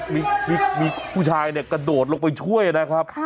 คุณพุทธมีคุณผู้ชายกระโดดไปช่วยนะครับ